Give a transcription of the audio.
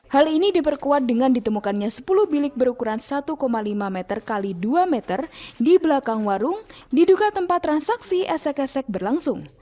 hal ini diperkuat dengan ditemukannya sepuluh bilik berukuran satu lima meter x dua meter di belakang warung diduga tempat transaksi esek esek berlangsung